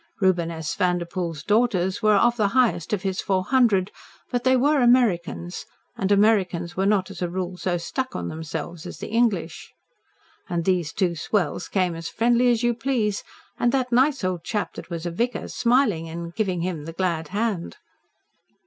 Reuben S. Vanderpoel's daughters were of the highest of his Four Hundred, but they were Americans, and Americans were not as a rule so "stuck on themselves" as the English. And here these two swells came as friendly as you please. And that nice old chap that was a vicar, smiling and giving him "the glad hand"!